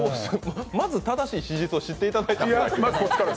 まず正しい史実を知っていただいてから。